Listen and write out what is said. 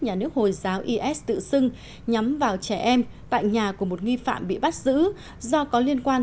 nhà nước hồi giáo is tự xưng nhắm vào trẻ em tại nhà của một nghi phạm bị bắt giữ do có liên quan